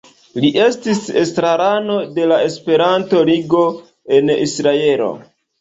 Li estis estrarano de la Esperanto-Ligo en Israelo.